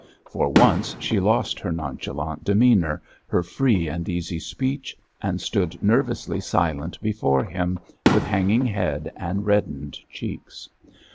For once she lost her nonchalant demeanour, her free and easy speech, and stood nervously silent before him with hanging head and reddened cheeks.